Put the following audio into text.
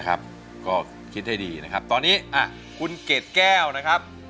ก็คิดให้ดีนะครับตอนนี้คุณเกดแก้วนะครับ